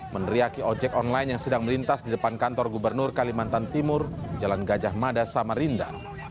meneriaki ojek online yang sedang melintas di depan kantor gubernur kalimantan timur jalan gajah mada samarinda